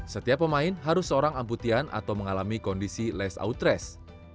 setiap pemain harus seorang amputian atau mengalami kondisi less outrest